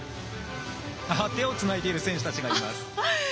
手をつないでいる選手たちがいます。